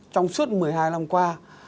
trong suốt một mươi hai năm qua